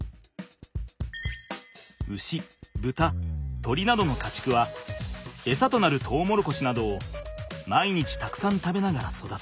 牛豚鶏などの家畜は餌となるトウモロコシなどを毎日たくさん食べながら育つ。